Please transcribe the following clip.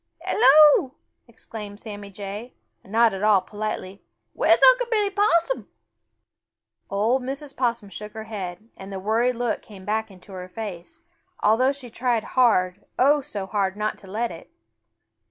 "Hello!" exclaimed Sammy Jay, not at all politely. "Where's Uncle Billy Possum?" Old Mrs. Possum shook her head, and the worried look came back into her face, although she tried hard, oh, so hard, not to let it.